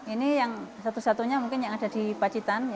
ini yang satu satunya mungkin yang ada di pacitan